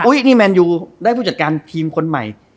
นี่แมนยูได้ผู้จัดการทีมคนใหม่